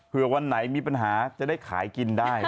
เพื่อวันไหนมีปัญหาจะได้ขายกินได้